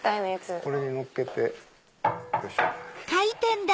これに乗っけてよいしょ。